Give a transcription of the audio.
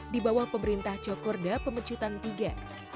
dibawah pemerintah cokorda pemecutan iii